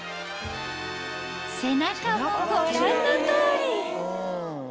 背中もご覧の通り！